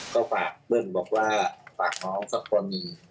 ก็ฝากเบิ้ลบอกว่าฝากน้องสักกรณี